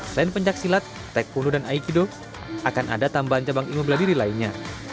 selain pencak silat tekunu dan aikido akan ada tambahan cabang ilmu bela diri lainnya